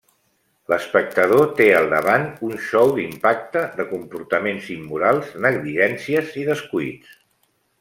L'espectador té al davant un xou d'impacte de comportaments immorals, negligències i descuits.